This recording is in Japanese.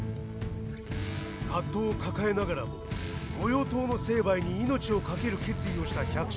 葛藤を抱えながらも御用盗の成敗に命をかける決意をした百姓たち。